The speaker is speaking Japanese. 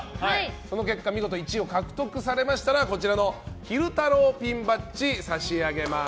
その結果見事１位を獲得されましたら昼太郎ピンバッジを差し上げます。